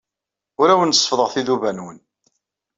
Ur awen-seffḍeɣ tiduba-nwen.